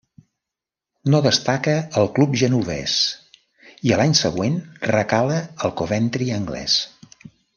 No destaca al club genovés, i a l'any següent recala al Coventry anglés.